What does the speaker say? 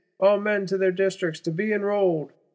All men to their Districts to be enrolled!